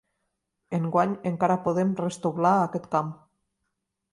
Enguany encara podem restoblar aquest camp.